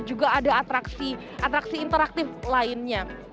juga ada atraksi interaktif lainnya